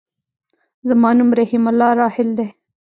زما نوم رحيم الله راحل دی.